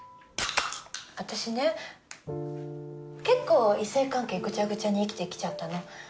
私ね結構異性関係グチャグチャに生きてきちゃったの。